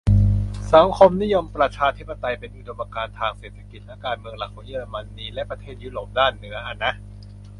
สังคมนิยมประชาธิปไตย เป็นอุดมการณ์ทางเศรษฐกิจและการเมืองหลักของเยอรมนี และประเทศยุโรปด้านเหนือ อะนะ